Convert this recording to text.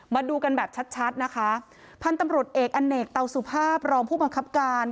มาดูกันแบบชัดชัดนะคะพันธุ์ตำรวจเอกอเนกเตาสุภาพรองผู้บังคับการ